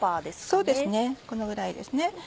そうですねこのぐらいですね。